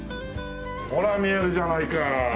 ほら見えるじゃないか。